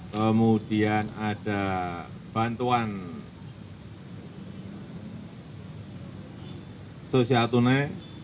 kemudian ada bantuan sosial tunai